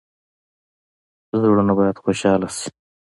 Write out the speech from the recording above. زړونه باید خوشحاله شي